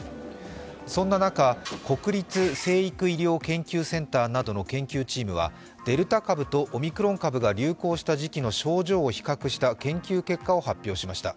そんな中、国立成育医療研究センターなどの研究チームはデルタ株とオミクロン株が流行した時期の症状を比較した研究結果を発表しました。